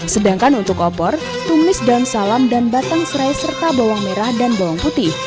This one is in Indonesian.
sedangkan untuk opor tumis daun salam dan batang serai serta bawang merah dan bawang putih